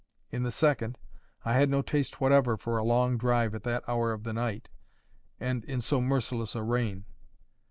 In the second, I had no taste whatever for a long drive at that hour of the night and in so merciless a rain.